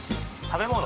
食べ物